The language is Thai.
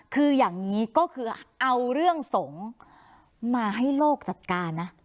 คืออย่างนี้ก็คือเอาเรื่องสงฆ์มาให้โลกจัดการนะ